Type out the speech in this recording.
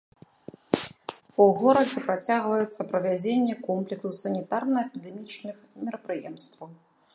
У горадзе працягваецца правядзенне комплексу санітарна-эпідэмічных мерапрыемстваў.